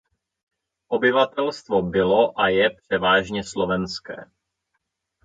Obyvatelstvo bylo a je převážně slovenské.